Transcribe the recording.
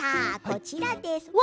こちらです。